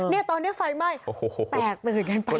เนี่ยตอนนี้ไฟไหม้แตกตื่นกันไป